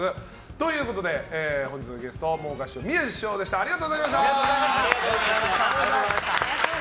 ということで、本日のゲスト桃花師匠、宮治師匠でしたありがとうございました。